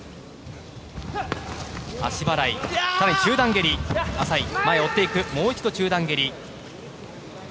足払い、中段蹴り浅い、前を追っていくもう一度中段蹴り。